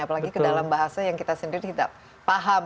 apalagi ke dalam bahasa yang kita sendiri tidak paham